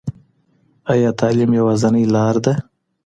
ايا تعليم يوازينۍ لار ده؟